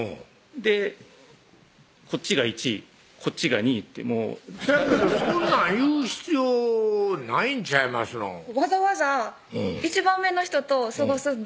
でこっちが１位こっちが２位ってもうそやけどそんなん言う必要ないんちゃいますのわざわざ「１番目の人と過ごすんで」